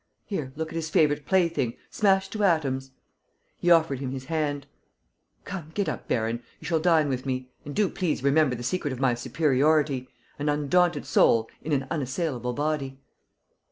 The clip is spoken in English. ... Here, look at his favorite plaything ... smashed to atoms!" He offered him his hand: "Come, get up, baron. You shall dine with me. And do please remember the secret of my superiority: an undaunted soul in an unassailable body."